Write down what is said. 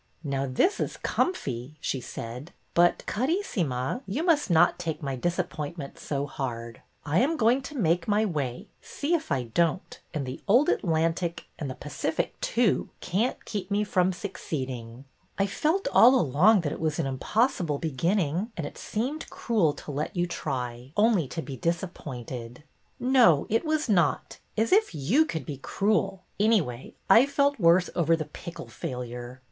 ''Now this is comfy," she said; "but, Caris sima, you must not take my disappointment so hard. I am going to make my way, see if I don't, and the old Atlantic, and the Pacific, too, can't keep me from succeeding." " I felt all along that it was an impossible be ginning, and it seemed cruel to let you try, only to be disappointed." "No, it was not. As if you could be cruel! Anyway, I felt worse over the pickle failure.